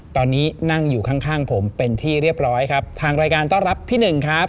ตอนนี้นั่งอยู่ข้างข้างผมเป็นที่เรียบร้อยครับทางรายการต้อนรับพี่หนึ่งครับ